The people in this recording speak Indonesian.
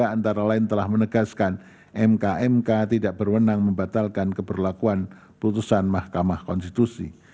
antara lain telah menegaskan mk mk tidak berwenang membatalkan keberlakuan putusan mahkamah konstitusi